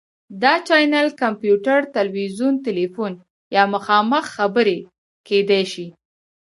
دا چینل کمپیوټر، تلویزیون، تیلیفون یا مخامخ خبرې کیدی شي.